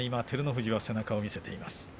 照ノ富士は背中を見せています。